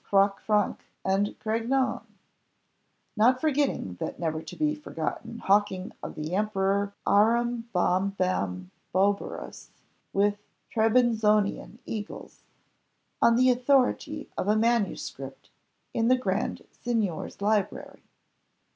Croc Franc and Craignon; not forgetting that never to be forgotten hawking of the Emperor Arambombamboberus with Trebizonian eagles, on the authority of a manuscript in the Grand Signior's library.